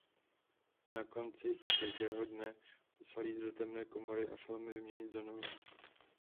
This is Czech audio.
Na konci každého dne musel jít do temné komory a filmy vyměnit za nové.